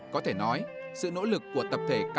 có thể nói sự nỗ lực của tập thể các ngành điện lực việt nam